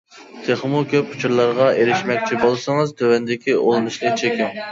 تېخىمۇ كۆپ ئۇچۇرلارغا ئېرىشمەكچى بولسىڭىز تۆۋەندىكى ئۇلىنىشنى چېكىڭ.